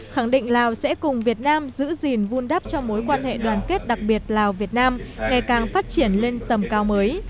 khẳng định lào sẽ cùng việt nam giữ gìn vun đắp cho mối quan hệ đoàn kết đặc biệt lào việt nam ngày càng phát triển lên tầm cao mới